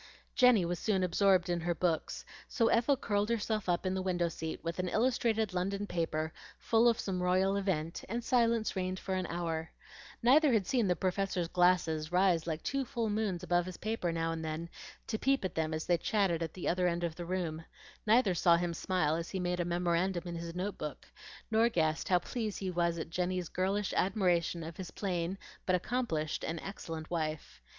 Jenny was soon absorbed in her books; so Ethel curled herself up in the window seat with an illustrated London paper full of some royal event, and silence reigned for an hour. Neither had seen the Professor's glasses rise like two full moons above his paper now and then to peep at them as they chatted at the other end of the room; neither saw him smile as he made a memorandum in his note book, nor guessed how pleased he was at Jenny's girlish admiration of his plain but accomplished and excellent wife.